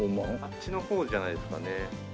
あっちの方じゃないですかね？